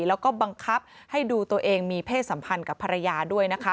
แล้วก็บังคับให้ดูตัวเองมีเพศสัมพันธ์กับภรรยาด้วยนะคะ